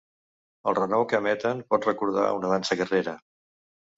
El renou que emeten pot recordar una dansa guerrera.